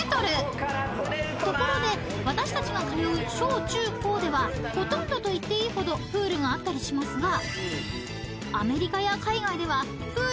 ［ところで私たちが通う小中高ではほとんどと言っていいほどプールがあったりしますが］